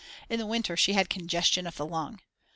In the winter she had congestion of the lung.